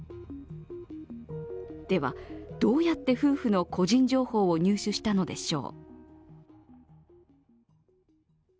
では、どうやって夫婦の個人情報を入手したのでしょう？